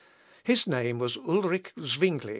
His name was Ulrick Zwingle.